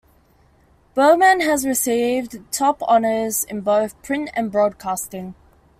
Bergman has received top honors in both print and broadcasting.